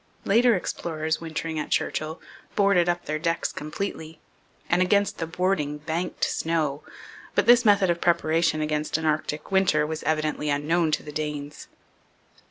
Later explorers wintering at Churchill boarded up their decks completely and against the boarding banked snow, but this method of preparation against an Arctic winter was evidently unknown to the Danes.